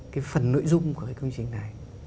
cái phần nội dung của cái công trình này